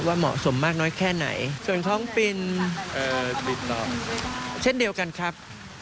ว่าเหมาะสมมากน้อยแค่ไหนส่วนของปรินเอ่อปรินต่อเช่นเดียวกันครับ